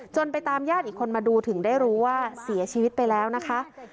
ไปตามญาติอีกคนมาดูถึงได้รู้ว่าเสียชีวิตไปแล้วนะคะ